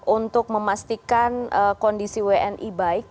untuk memastikan kondisi wni baik